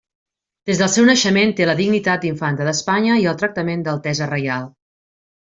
Des del seu naixement té la dignitat d'infanta d'Espanya i el tractament d'Altesa Reial.